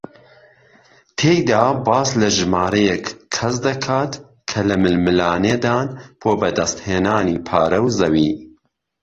تێیدا باس لە ژمارەیەک کەس دەکات کە لە ململانێدان بۆ بەدەستهێنانی پارە و زەوی